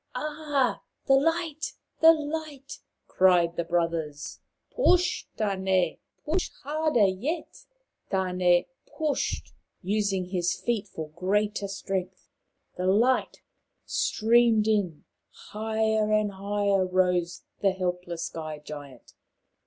" Ah, the Light ! the Light !" cried the brothers. " Push, Tane, push harder yet." Tane pushed, using his feet for greater strength. The light streamed in. Higher and higher rose the helpless Sky giant.